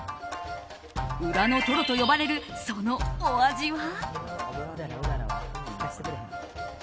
裏のトロと呼ばれるそのお味は。